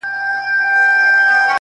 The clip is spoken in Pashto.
څوک چي دښمن وي د هرات هغه غلیم د وطن -